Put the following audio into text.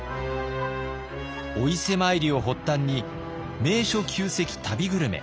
お伊勢参りを発端に名所旧跡旅グルメ。